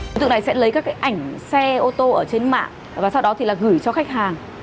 đối tượng này sẽ lấy các cái ảnh xe ô tô ở trên mạng và sau đó thì là gửi cho khách hàng